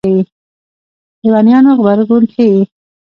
لېونیانو غبرګون ښيي.